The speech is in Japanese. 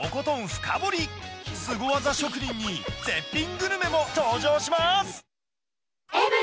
スゴ技職人に、絶品グルメも登場します。